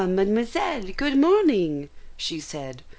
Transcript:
Mademoiselle, good morning," she said.